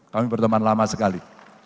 kami berteman lama sekali